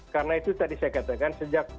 karena itu tadi saya katakan